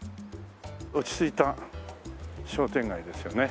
落ち着いた商店街ですよね。